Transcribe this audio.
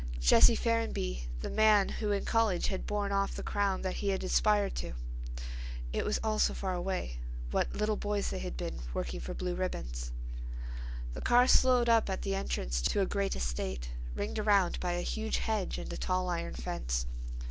Jesse Ferrenby, the man who in college had borne off the crown that he had aspired to. It was all so far away. What little boys they had been, working for blue ribbons— The car slowed up at the entrance to a great estate, ringed around by a huge hedge and a tall iron fence.